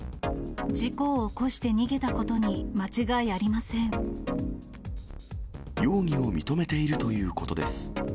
事故を起こして逃げたことに容疑を認めているということです。